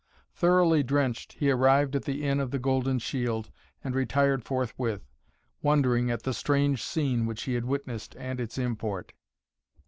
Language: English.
Thoroughly drenched he arrived at the Inn of the Golden Shield and retired forthwith, wondering at the strange scene which he had witnessed and its import.